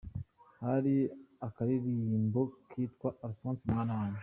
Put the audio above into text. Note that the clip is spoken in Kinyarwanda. Hari akaririmbo kitwa: “Alphonse mwana wanjye.